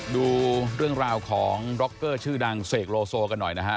ดูเรื่องราวของร็อกเกอร์ชื่อดังเสกโลโซกันหน่อยนะฮะ